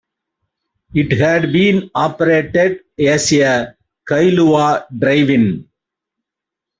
It had been operated as a Kailua drive-in.